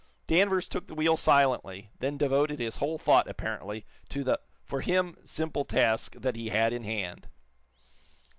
Danvers took the wheel silently, then devoted his whole thought, apparently, to the for him simple task that he had in hand.